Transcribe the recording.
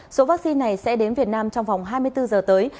số vaccine này sẽ đến việt nam trong vòng hai mươi bốn giờ tới